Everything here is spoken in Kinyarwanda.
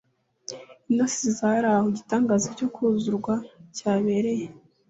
Intasi zari aho igitangaza cyo kuzurwa cyabereye,